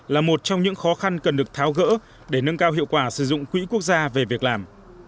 là một trong những khó khăn cần được tháo gỡ để nâng cao hiệu quả sử dụng quỹ quốc gia về việc làm